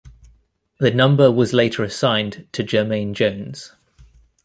The number was later assigned to Jermaine Jones.